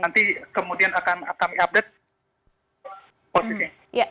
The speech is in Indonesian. nanti kemudian akan kami update posisinya